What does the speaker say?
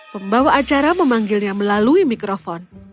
pembawa acara memanggilnya melalui mikrofon